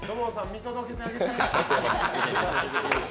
見届けてあげて。